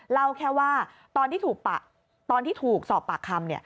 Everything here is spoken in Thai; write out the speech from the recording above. เล่าแค่ว่าตอนที่ถูกสอบปากคำ